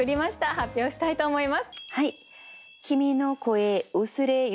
発表したいと思います。